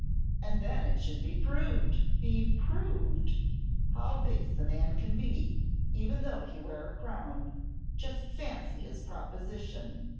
And then it should be proved! be proved! How base a man can be, even though he wear a crown! Just fancy his proposition!